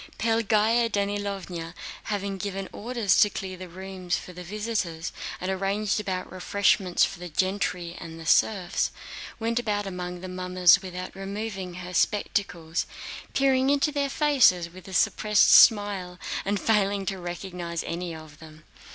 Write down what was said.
Pelagéya Danílovna, having given orders to clear the rooms for the visitors and arranged about refreshments for the gentry and the serfs, went about among the mummers without removing her spectacles, peering into their faces with a suppressed smile and failing to recognize any of them.